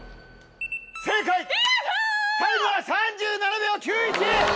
タイムは３７秒９１！